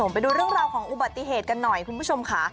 ไปดูเรื่องราวของอุบัติเหตุกันหน่อยคุณผู้ชมค่ะ